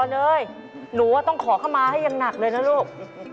บอลเอ้ยหนูว่าต้องขอเข้ามาให้ยังหนักเลยนะลูก